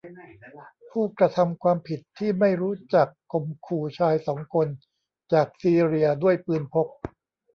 ผู้กระทำความผิดที่ไม่รู้จักข่มขู่ชายสองคนจากซีเรียด้วยปืนพก